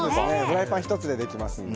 フライパン１つでできますので。